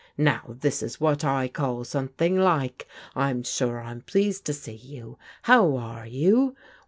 " Now this is what I call something like. I'm sure I'm pleased to see you. How are you?